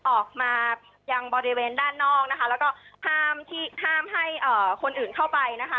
ออกมายังบริเวณด้านนอกนะคะแล้วก็ห้ามที่ห้ามให้คนอื่นเข้าไปนะคะ